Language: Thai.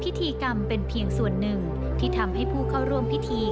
พิธีกรรมเป็นเพียงส่วนหนึ่งที่ทำให้ผู้เข้าร่วมพิธี